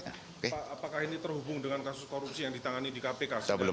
pak apakah ini terhubung dengan kasus korupsi yang ditangani di kpk sebelumnya